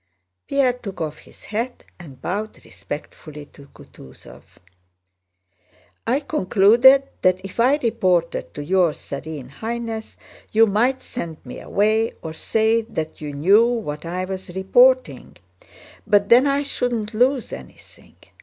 Pierre took off his hat and bowed respectfully to Kutúzov. "I concluded that if I reported to your Serene Highness you might send me away or say that you knew what I was reporting, but then I shouldn't lose anything..."